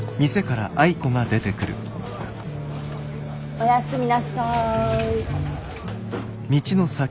おやすみなさい。